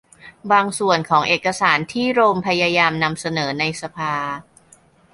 บางส่วนของเอกสารที่โรมพยายามนำเสนอในสภา